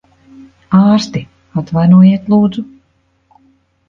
Ārsti! Atvainojiet, lūdzu.